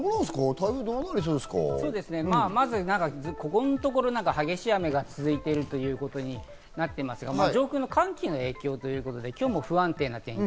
台風どうなりここのところ激しい雨が続いているということになっていますが、上空の寒気の影響ということで、今日も不安定な天気。